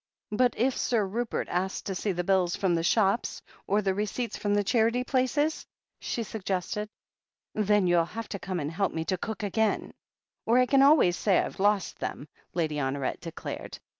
"But if Sir Rupert asks to see the bills from the shops, or the receipts from the charity places?" she suggested. "Then you'll have to come and help me to cook again, or I can always say I have lost them," Lady Honoret declared.